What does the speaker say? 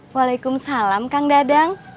waalaikumsalam kang dadang